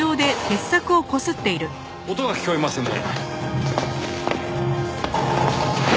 音が聞こえますね。